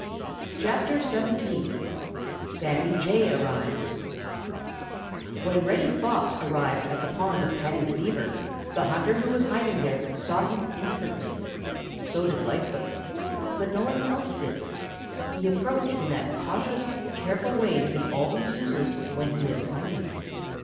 CHAPTER XVII SAMMY JAY ARRIVES When Reddy Fox arrived at the pond of Paddy the Beaver, the hunter who was hiding there saw him instantly. So did Lightfoot. But no one else did. He approached in that cautious, careful way that he always uses when he is hunting.